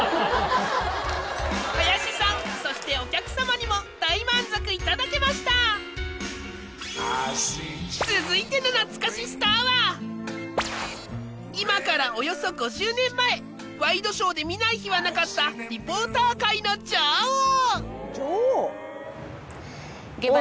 林さんそしてお客様にも続いての懐かしスターは今からおよそ５０年前ワイドショーで見ない日はなかったリポーター界の女王